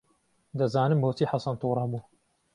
دەزانم بۆچی حەسەن تووڕە بوو.